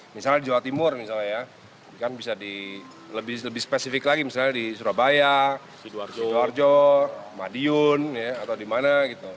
misalnya di jawa timur lebih spesifik lagi di surabaya sidoarjo madiun atau di mana